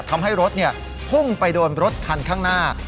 ทำให้รถพุ่งไปโดนรถคันข้างหน้า